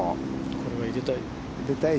これは入れたい。